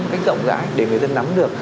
một cách rộng rãi để người dân nắm được